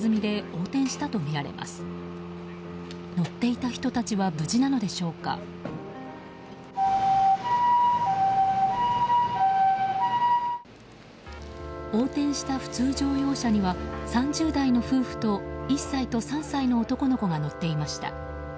横転した普通乗用車には３０代の夫婦と１歳と３歳の男の子が乗っていました。